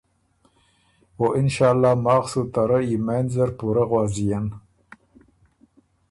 او انشاالله ماخ سو ته رۀ یمېند زر پُورۀ غؤݫيېن۔